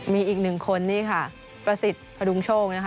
มีอีกหนึ่งคนนี่ค่ะประสิทธิ์พระดุงโชคนะคะ